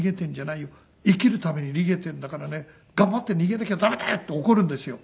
「生きるために逃げてるんだからね頑張って逃げなきゃダメだよ」って怒るんですよ。